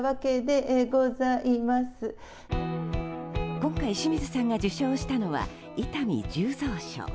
今回、清水さんが受賞したのは伊丹十三賞。